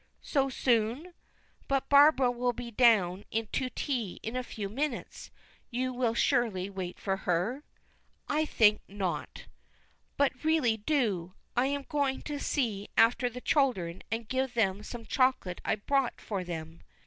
"So soon? But Barbara will be down to tea in a few minutes. You will surely wait for her?" "I think not." "But really do! I am going to see after the children, and give them some chocolate I bought for them."